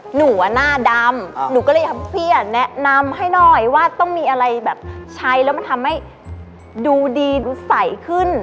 หนูหน้าดำหนูก็เลยอยากให้พี่แนะนำให้หน่อยว่าต้องมีอะไรแบบใช้แล้วมันทำให้ดูดีดูใสขึ้น